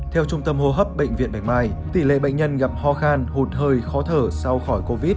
theo trung tâm hô hấp bệnh viện bạch mai tỷ lệ bệnh nhân gặp khó khăn hụt hơi khó thở sau khỏi covid